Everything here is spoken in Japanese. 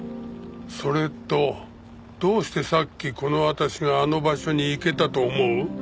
それとどうしてさっきこの私があの場所に行けたと思う？